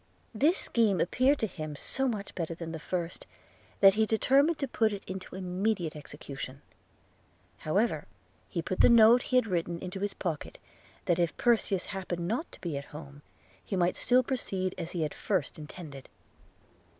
This scheme appeared to him so much better than the first, that he determined to put it into immediate execution. However, he put the note he had written into his pocket, that if Perseus happened not to be at home, he might still proceed as he had at first intended.